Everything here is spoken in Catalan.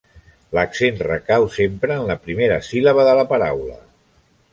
L'accent recau sempre en la primera síl·laba de la paraula.